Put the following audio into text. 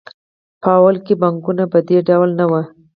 په لومړیو کې بانکونه په دې ډول نه وو